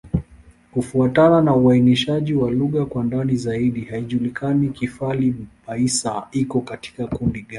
Kufuatana na uainishaji wa lugha kwa ndani zaidi, haijulikani Kifali-Baissa iko katika kundi gani.